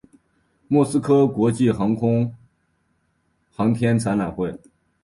莫斯科国际航空航天展览会。